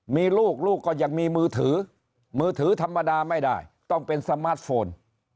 มีลูกลูกก็ยังมีมือถือมือถือธรรมดาไม่ได้ต้องเป็นสมาร์ทโฟน